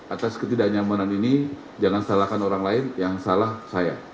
atas ketidaknyamanan ini jangan salahkan orang lain yang salah saya